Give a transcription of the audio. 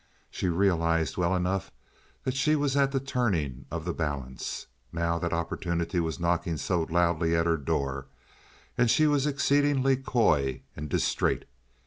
She realized well enough that she was at the turning of the balance, now that opportunity was knocking so loudly at her door, and she was exceedingly coy and distrait.